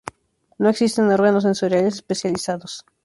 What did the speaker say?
No existen órganos sensoriales especializados.